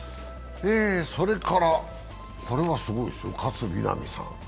それから、これはすごいですよ、勝みなみさん。